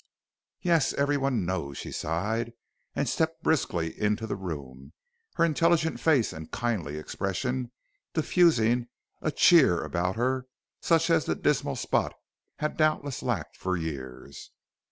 "'Yes, every one knows,' she sighed, and stepped briskly into the room, her intelligent face and kindly expression diffusing a cheer about her such as the dismal spot had doubtless lacked for years.